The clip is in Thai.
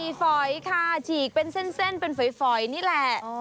มีฝอยค่ะฉีกเป็นเส้นเป็นฝอยนี่แหละ